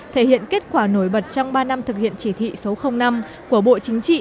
thể hiện kết quả nổi bật trong ba năm thực hiện chỉ thị số năm của bộ chính trị